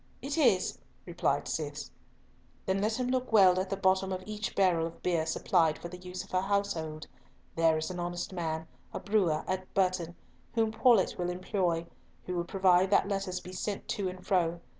"It is," replied Cis. "Then let him look well at the bottom of each barrel of beer supplied for the use of her household. There is an honest man, a brewer, at Burton, whom Paulett will employ, who will provide that letters be sent to and fro.